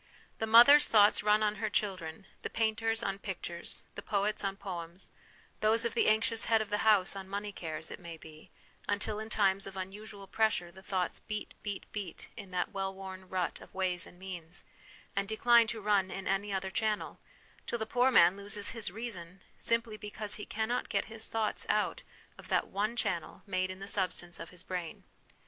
The mother's thoughts run on her chil dren, the painter's on pictures, the poet's on poems ; those of the anxious head of the house on money cares, it may be, until in times of unusual pressure the thoughts beat, beat, beat in that well worn rut of ways and means, and decline to run in any other channel, till the poor man loses his reason, simply because he cannot get his thoughts out of that one channel made in the substance of his brain.